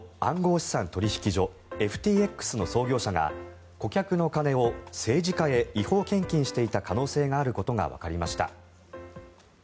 資産取引所ＦＴＸの創業者が顧客の金を政治家へ違法献金していた可能性のあることがわかりました。